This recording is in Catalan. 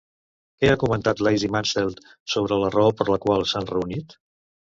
Què ha comentat Lizzy Manseld sobre la raó per la qual s'han reunit?